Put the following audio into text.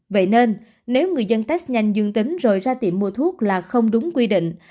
vậy nên nếu người dân test nhanh dương tính rồi ra tiệm mua thuốc là không đúng quy định